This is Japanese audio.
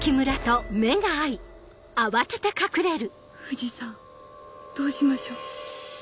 藤さんどうしましょう。